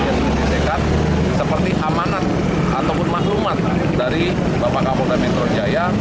gekat seperti amanat ataupun maklumat dari bapak kapolta metro jaya